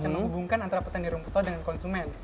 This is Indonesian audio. yang menghubungkan antara petani rumput laut dengan konsumen